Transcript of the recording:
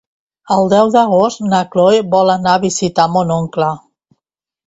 El deu d'agost na Chloé vol anar a visitar mon oncle.